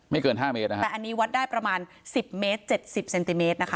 เกินห้าเมตรนะคะแต่อันนี้วัดได้ประมาณสิบเมตรเจ็ดสิบเซนติเมตรนะคะ